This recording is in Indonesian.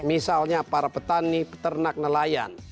misalnya para petani peternak nelayan